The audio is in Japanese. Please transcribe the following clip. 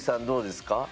どうですか？